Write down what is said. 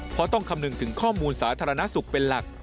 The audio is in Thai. เพราะต้องคำนึงถึงข้อมูลสาธารณสุขเป็นหลัก